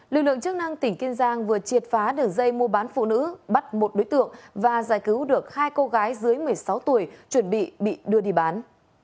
lực lượng chức năng tỉnh kiên giang vừa triệt phá đường dây mua bán phụ nữ bắt một đối tượng và giải cứu được hai cô gái dưới một mươi sáu tuổi chuẩn bị bị đưa đi bán